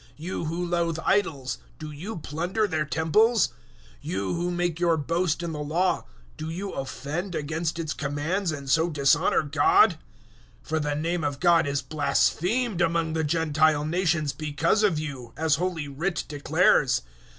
You who loathe idols, do you plunder their temples? 002:023 You who make your boast in the Law, do you offend against its commands and so dishonour God? 002:024 For the name of God is blasphemed among the Gentile nations because of you, as Holy Writ declares.